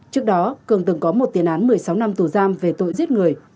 trước đó cường từng có một tiền án một mươi sáu năm tù giam về tội giết người